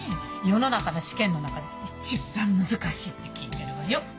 世の中の試験の中で一番難しいって聞いてるわよ。